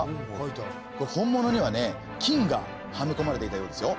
本物にはね金がはめこまれていたようですよ。